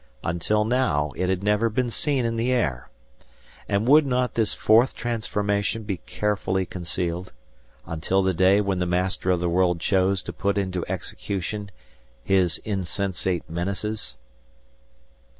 Until now, it had never been seen in the air. And would not this fourth transformation be carefully concealed, until the day when the Master of the World chose to put into execution his insensate menaces?